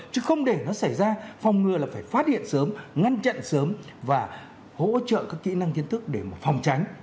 chứ không để nó xảy ra phòng ngừa là phải phát hiện sớm ngăn chặn sớm và hỗ trợ các kỹ năng kiến thức để phòng tránh